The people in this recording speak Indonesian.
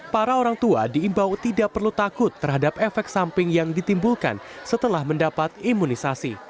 para orang tua diimbau tidak perlu takut terhadap efek samping yang ditimbulkan setelah mendapat imunisasi